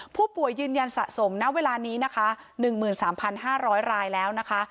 ผู้ป่วยยืนยันสะสมณเวลานี้นะคะ๑๓๕๐๐รายแล้วนะคะ